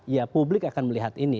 ya publik akan melihat ini